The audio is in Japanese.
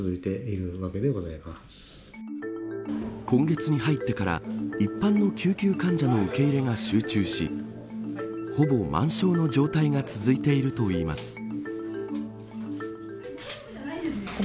今月に入ってから一般の救急患者の受け入れが集中しほぼ満床の状態が続いているといいます。